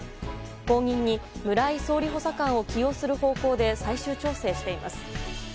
後任に村井総理補佐官を起用する方向で最終調整しています。